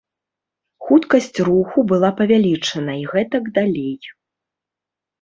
Хуткасць руху была павялічана і гэтак далей.